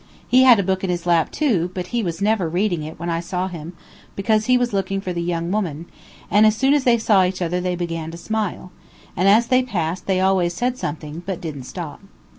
He had a book in his lap too, but he was never reading it when I saw him, because he was looking for the young woman; and as soon as they saw each other they began to smile, and as they passed they always said something, but didn't stop.